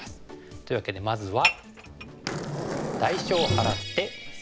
というわけでまずは。